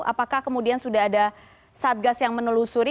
apakah kemudian sudah ada satgas yang menelusuri